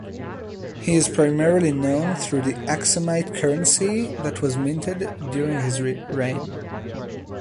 He is primarily known through the Aksumite currency that was minted during his reign.